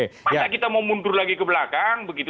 masa kita mau mundur lagi ke belakang begitu